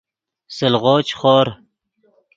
سلغو چے خور